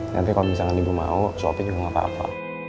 nanti kalau misalnya ibu mau suami juga gak apa apa